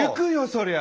そりゃ。